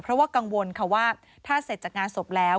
เพราะว่ากังวลค่ะว่าถ้าเสร็จจากงานศพแล้ว